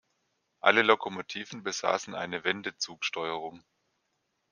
Alle Lokomotiven besaßen eine Wendezugsteuerung.